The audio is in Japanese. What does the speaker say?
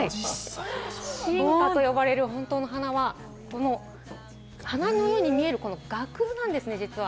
真花と呼ばれる、本当の花はこの花のように見えるガクなんですね、実は。